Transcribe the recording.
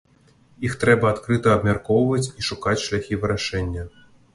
Іх трэба адкрыта абмяркоўваць і шукаць шляхі вырашэння.